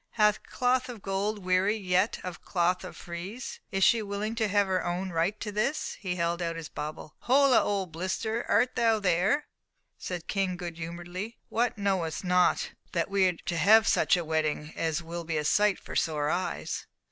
Hath cloth of gold wearied yet of cloth of frieze? Is she willing to own her right to this?" as he held out his bauble. "Holla, old Blister! art thou there?" said the King, good humouredly. "What! knowest not that we are to have such a wedding as will be a sight for sore eyes!"